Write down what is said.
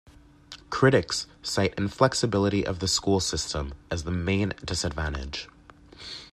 Critics cite inflexibility of the school system as the main disadvantage.